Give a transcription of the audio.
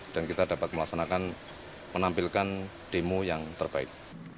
dan kita dapat melaksanakan menampilkan demo yang terbaik